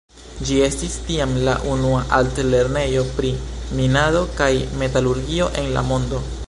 Ĝi estis tiam la unua altlernejo pri minado kaj metalurgio en la mondo.